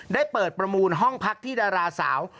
ได้เปิดประมูลห้องพักที่ดาราสาว